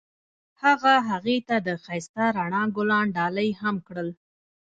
هغه هغې ته د ښایسته رڼا ګلان ډالۍ هم کړل.